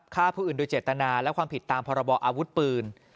ฆ่าผู้อื่นโดยเจตนาและความผิดตามพรบออาวุธปืน